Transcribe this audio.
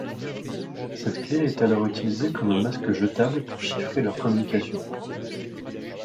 Cette clé est alors utilisée comme un masque jetable pour chiffrer leurs communications.